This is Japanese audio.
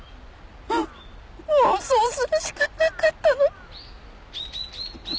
もうそうするしかなかったの。